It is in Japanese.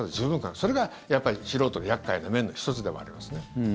それが、やっぱり素人の厄介な面の１つでもありますね。